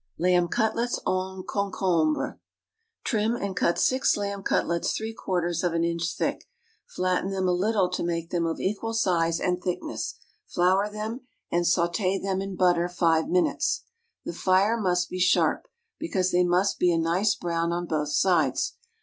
Lamb Cutlets en Concombre. Trim and cut six lamb cutlets three quarters of an inch thick, flatten them a little to make them of equal size and thickness; flour them, and sauté them in butter five minutes. The fire must be sharp, because they must be a nice brown on both sides.